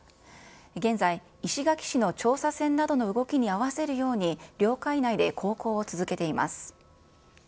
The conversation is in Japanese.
現在、石垣市の調査船などの動きに合わせるように、領海内で航行を続けています。